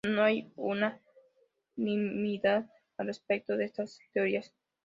No hay unanimidad al respecto de estas teorías.